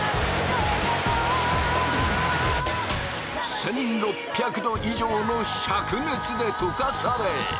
１，６００度以上の灼熱でとかされ。